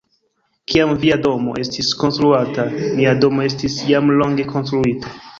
Kiam via domo estis konstruata, mia domo estis jam longe konstruita.